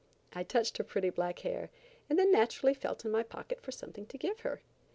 I touched her pretty black hair, and then naturally felt in my pocket for something to give her.